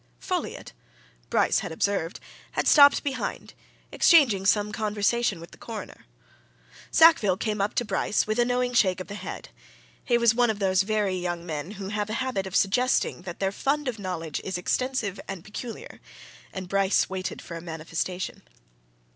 Folliot, Bryce had observed, had stopped behind, exchanging some conversation with the Coroner. Sackville came up to Bryce with a knowing shake of the hand. He was one of those very young men who have a habit of suggesting that their fund of knowledge is extensive and peculiar, and Bryce waited for a manifestation.